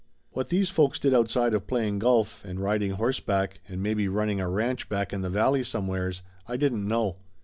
What these folks did outside of playing golf and riding horse back, and maybe running a ranch back in the valley somewheres, I didn't know.